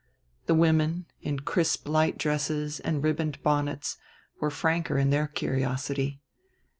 The women, in crisp light dresses and ribboned bonnets, were franker in their curiosity.